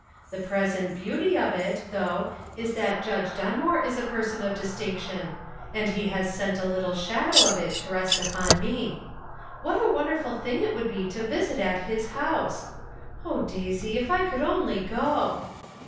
The present beauty of it, though, is that Judge Dunmore is a person of distinction, and he has sent a little shadow of it to rest upon me. What a wonderful thing it would be to visit at his house. O, Daisy ! if I could only go."